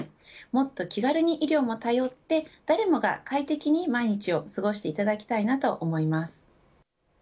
もっと気軽に医療を頼って誰もが快適に毎日を過ごしていただきたいと思います。